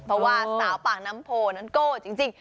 เพราะว่าสาวปากน้ำโพนั้นโก้จริง